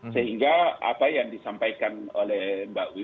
sehingga apa yang disampaikan oleh mbak wiwi